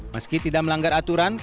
meski tidak melanggar aturan